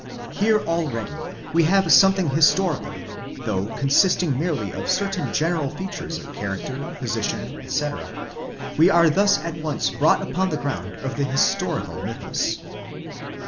Here already we have something historical, though consisting merely of certain general features of character, position, εἴς. ; we are thus at once brought upon the ground of the historical mythus.